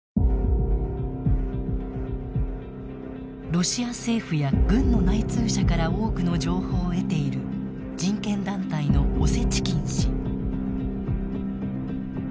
ロシア政府や軍の内通者から多くの情報を得ている人権団体のオセチキン氏。